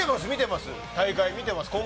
大会、見てますよ。